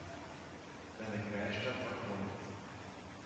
Seine Kreisstadt war Konitz.